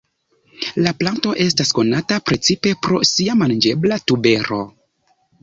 La planto estas konata precipe pro sia manĝebla tubero.